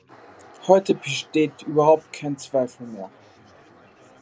Heute besteht überhaupt kein Zweifel mehr.